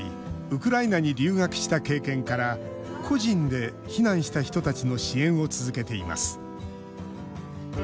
ウクライナに留学した経験から個人で避難した人たちの支援を続けています。